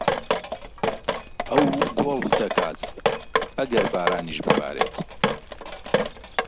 ئەو گۆڵف دەکات ئەگەر بارانیش ببارێت.